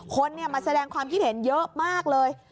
คนมาแสดงความคิดเห็นเยอะมากเลย